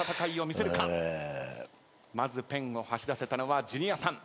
まずペンを走らせたのはジュニアさん。